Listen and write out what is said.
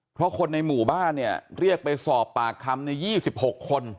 เพราะคนในหมู่บ้านเนี่ยเรียกไปสอบปากคำเนี่ยยี่สิบหกคน